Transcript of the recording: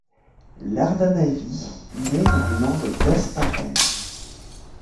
L'Ardanavy nait dans les landes d'Hasparren.